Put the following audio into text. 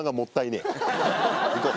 行こう！